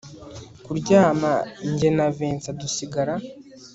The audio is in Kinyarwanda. kuryama njye na Vincent dusigara